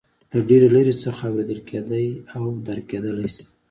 له ډېرې لرې څخه اورېدل کېدای او درک کېدلای شي.